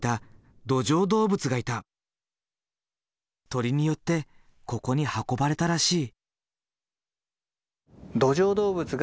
鳥によってここに運ばれたらしい。